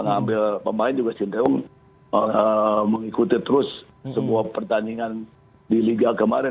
ambil pemain juga sintiong mengikuti terus semua pertandingan di liga kemarin